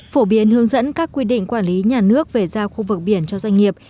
phổ biến hướng dẫn các quy định quản lý nhà nước về giao khu vực biển cho doanh nghiệp